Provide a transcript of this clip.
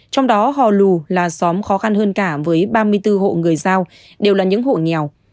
trong đó hò lù là xóm khó khăn hơn cả với ba mươi bốn hộ người giao đều là những hộ nghèo